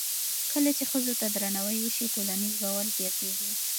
کله چې ښځو ته درناوی وشي، ټولنیز باور زیاتېږي.